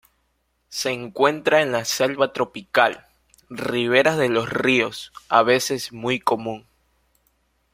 Se encuentra en la selva tropical, riberas de los ríos, a veces muy común.